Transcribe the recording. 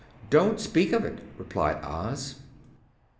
"Don't speak of it," replied Oz.